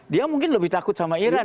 dia mungkin lebih takut sama iran